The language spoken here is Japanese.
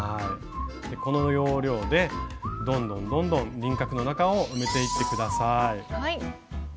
この要領でどんどんどんどん輪郭の中を埋めていって下さい。